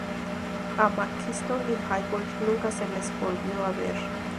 A Mackintosh y Hayward nunca se les volvió a ver.